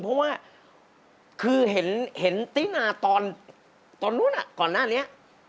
เพราะว่าคือเห็นตินาตอนนู้นก่อนหน้านี้